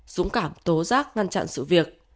dũng cảm tố giác ngăn chặn sự việc